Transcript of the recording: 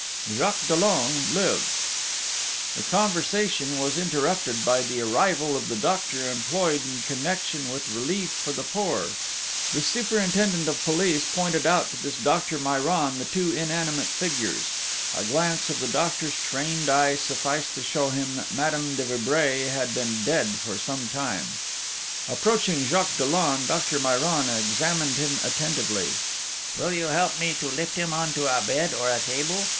Jacques Dollon lives The conversation was interrupted by the arrival of the doctor employed in connection with relief for the poor. The superintendent of police pointed out to this Dr. Mayran the two inanimate figures. A glance of the doctor's trained eye sufficed to show him that Madame de Vibray had been dead for some time. Approaching Jacques Dollon, Dr. Mayran examined him attentively: 'Will you help me to lift him on to a bed or a table?'